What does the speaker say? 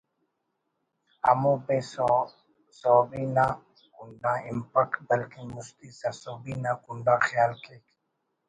ہمو بے سہبی تا کنڈ آ ہنپک بلکن مستی سرسہبی تا کنڈ آ خیال کیک